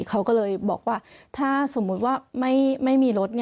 เขาก็เลยบอกว่าถ้าสมมุติว่าไม่มีรถ